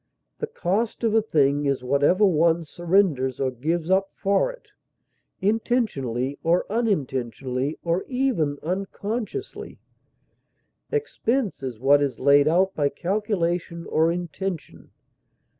The cost of a thing is whatever one surrenders or gives up for it, intentionally or unintentionally, or even unconsciously; expense is what is laid out by calculation or intention.